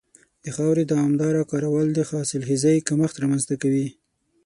د خاورې دوامداره کارول د حاصلخېزۍ کمښت رامنځته کوي.